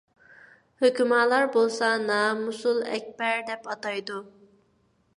ھۆكۈمالار بولسا نامۇسۇل ئەكبەر دەپ ئاتايدۇ.